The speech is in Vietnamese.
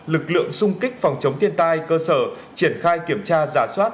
lực lượng xung kích phòng chống thiên tai cơ sở triển khai kiểm tra giả soát